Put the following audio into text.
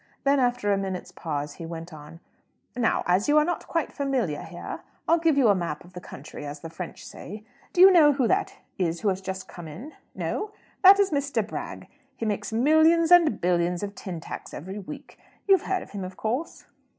Then, after a minute's pause, he went on: "Now, as you are not quite familiar here, I'll give you a map of the country, as the French say. Do you know who that is who has just come in? No? That is Mr. Bragg. He makes millions and billions of tin tacks every week. You've heard of him, of course?"